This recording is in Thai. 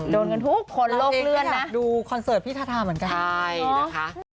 โดนกันทุกคนโลกเลื่อนแบบดูคอนเสิร์ตพี่ทาทาเหมือนกันใช่นะคะ